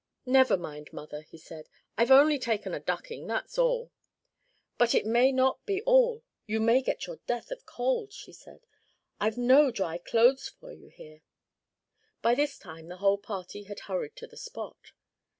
"Never mind, mother," he said, "I've only had a ducking, that's all." "But it may not be all: you may get your death of cold," she said, "I've no dry clothes for you here." By this time the whole party had hurried to the spot.